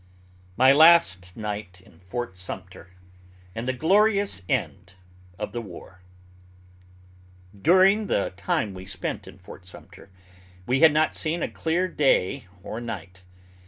MY LAST NIGHT IN FORT SUMTER AND THE GLORIOUS END OF THE WAR. During the time we spent in Fort Sumter we had not seen a clear day or night.